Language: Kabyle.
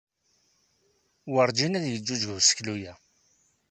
Werǧin ad yeǧǧuǧǧeg useklu-a.